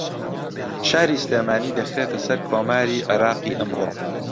شاری سلێمانی دەخرێتە سەر کۆماری عێراقی ئەمڕۆ